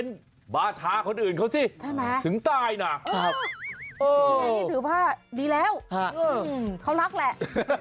นี่ถือว่าดีแล้วเขารักแหละ